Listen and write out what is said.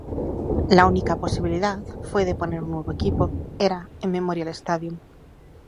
La única posibilidad fue de poner un nuevo equipo era en Memorial Stadium.